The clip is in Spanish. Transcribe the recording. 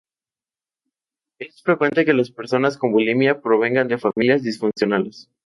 Es frecuente que las personas con bulimia provengan de familias disfuncionales.